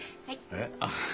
えっ？